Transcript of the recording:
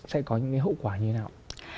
sẽ có những cái hậu quả như thế nào